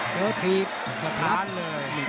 เจอธีภกธรรม